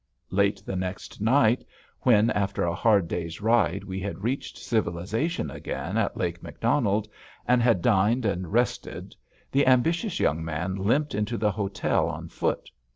Late the next night, when after a hard day's ride we had reached civilization again at Lake Macdonald, and had dined and rested, the ambitious young man limped into the hotel on foot.